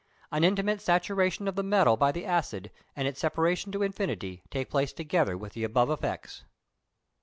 An intimate saturation of the metal by the acid, and its separation to infinity, take place together with the above effects.